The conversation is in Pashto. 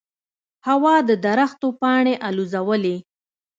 هوا د درختو پاڼې الوزولې.